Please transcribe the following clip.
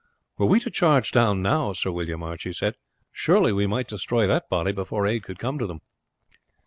"Were we to charge down now, Sir William," Archie said, "surely we might destroy that body before aid could come to them."